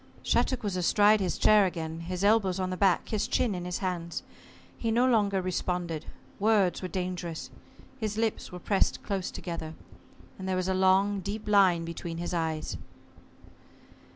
Shattuck was astride his chair again, his elbows on the back, his chin in his hands. He no longer responded. Words were dangerous. His lips were pressed close together, and there was a long deep line between his eyes.